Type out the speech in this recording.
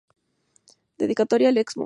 Dedicatoria al Excmo.